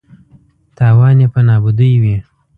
تاوان یې په نابودۍ وي.